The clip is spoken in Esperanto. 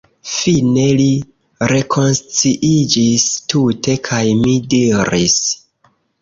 Fine li rekonsciiĝis tute, kaj mi diris: